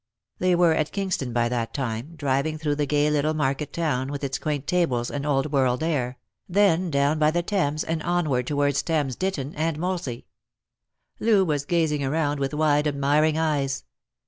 They were at Kingston by that time, driving through the gay little market town, with its quaint gables and old world air ; then down by the Thames, and onward towards Thames Ditton and Moulsey. Loo was gazing around with wide admiring eyes.